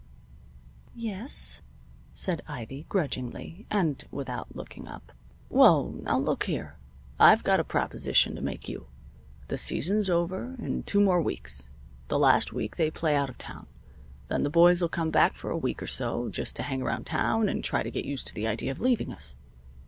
"Yes," said Ivy, grudgingly, and without looking up. "Well now, look here. I've got a proposition to make to you. The season's over in two more weeks. The last week they play out of town. Then the boys'll come back for a week or so, just to hang around town and try to get used to the idea of leaving us.